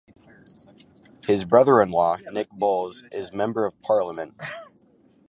His brother-in-law, Nick Boles, is a Member of Parliament.